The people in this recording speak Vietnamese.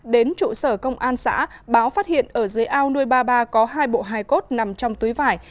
đến trụ sở công an xã báo phát hiện ở dưới ao nuôi ba ba có hai bộ hài cốt nằm trong túi vải